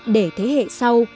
để thế hệ sau